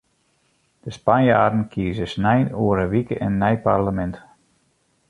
De Spanjaarden kieze snein oer in wike in nij parlemint.